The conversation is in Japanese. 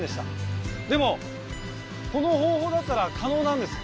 でもこの方法だったら可能なんです。